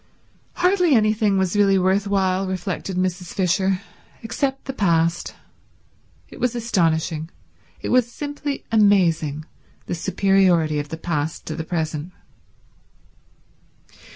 Hardly anything was really worth while, reflected Mrs. Fisher, except the past. It was astonishing, it was simply amazing, the superiority of the past to the present.